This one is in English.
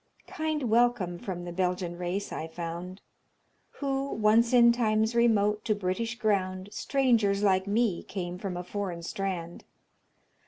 Kind welcome from the Belgian race I found, Who, once in times remote, to British ground Strangers like me came from a foreign strand.